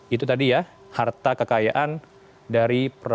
itu tadi ya harta kekayaan dari perusahaan